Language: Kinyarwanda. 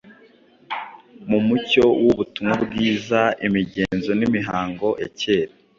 Mu mucyo w’ubutumwa bwiza, imigenzo n’imihango ya kera